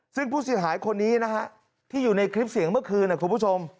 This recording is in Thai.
ซึ่งผู้เสียหายคนนี้นะฮะที่อยู่ในคลิปเสียงเมื่อคืนคุณผู้ชม